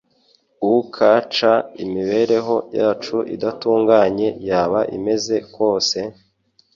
Ukc imibereho yacu idatunganye yaba imeze kose,